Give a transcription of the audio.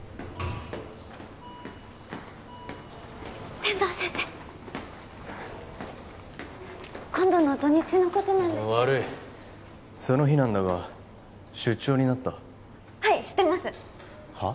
天堂先生今度の土日のことなんですけどああ悪いその日なんだが出張になったはい知ってますはあ？